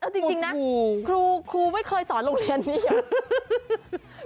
เอ้าจริงนะคุณครูคุณครูไม่เคยสอนโรงเรียนนี้เหรอ